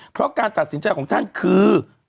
เพราะการตัดสินใจของท่านคือ